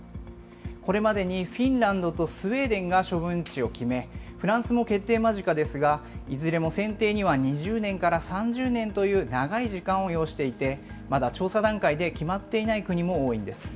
これまでにフィンランドとスウェーデンが処分地を決め、フランスも決定間近ですが、いずれも選定には２０年から３０年という長い時間を要していて、まだ調査段階で決まっていない国も多いんです。